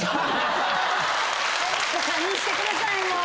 堪忍してくださいもう。